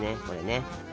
これね！